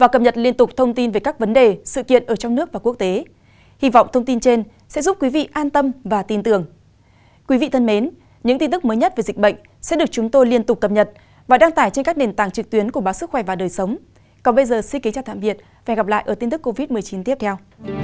còn bây giờ xin kính chào tạm biệt và hẹn gặp lại ở tin tức covid một mươi chín tiếp theo